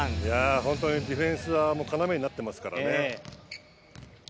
本当にディフェンスは要になっていますからね。